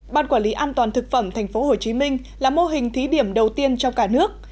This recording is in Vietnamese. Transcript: ban quản lý an toàn thực phẩm tp hcm là mô hình thí điểm đầu tiên trong cả nước